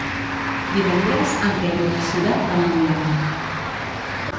Divendres en Quer i na Sira van a Ullà.